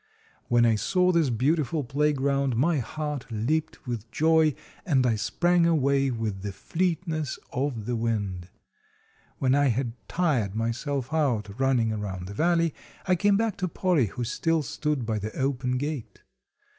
When I saw this beautiful playground my heart leaped with joy, and I sprang away with the fleetness of the wind. When I had tired myself out running around the valley I came back to Polly, who still stood by the open gate.